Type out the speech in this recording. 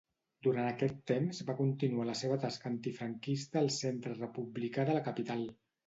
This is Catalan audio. Durant aquest temps va continuar la seva tasca antifranquista al Centre Republicà de la capital.